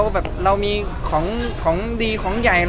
แบบเรามีของดีของใหญ่